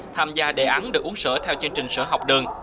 tham gia đề án được uống sữa theo chương trình sữa học đường